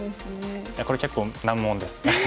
いやこれ結構難問です。